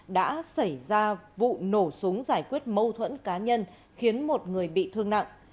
đã xảy ra vụ nổ súng giải quyết mâu thuẫn cá nhân khiến một người bị thương nặng